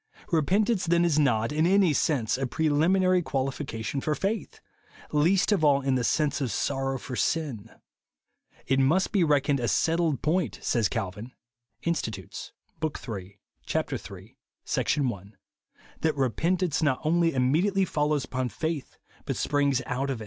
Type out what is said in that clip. Repentance then is not, in any sense, a preliminary qualification for faith, — least of all in the sense of sorrow for sin. " It must be reckoned a settled point," says Calvin,"*' '■'that repentance not only immediately follows u]Don faith, but springs out of it.